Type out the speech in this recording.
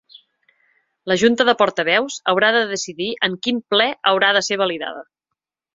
La junta de portaveus haurà de decidir en quin ple haurà de ser validada.